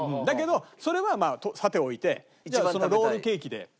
だけどそれはまあさて置いてじゃあそのロールケーキで。